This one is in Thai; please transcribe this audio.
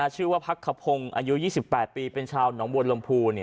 ชื่อว่าพักขพงศ์อายุ๒๘ปีเป็นชาวหนองบวนลมภู